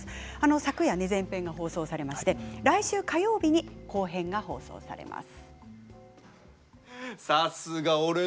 昨夜、前編が放送されまして来週火曜日に後編が放送されます。